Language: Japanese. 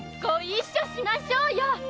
ご一緒しましょうよ！